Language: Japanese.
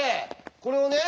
これをね。